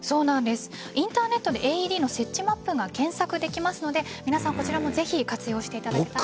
インターネットでＡＥＤの設置マップが検索できますのでこちらもぜひ活用していただきたい。